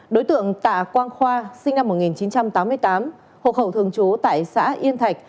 đối tượng tạ quang khoa sinh năm một nghìn chín trăm tám mươi tám hộ khẩu thường trú tại xã yên thạch